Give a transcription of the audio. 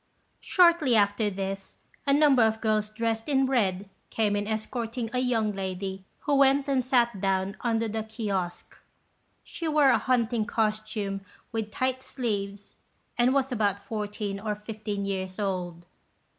Shortly after this, a number of girls dressed in red came in escorting a young lady, who went and sat down under the kiosque. She wore a hunting costume with tight sleeves, and was about fourteen or fifteen years old.